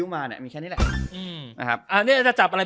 ไม่ใช่